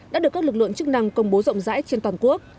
đã được các lực lượng chức năng công bố rộng rãi trên toàn quốc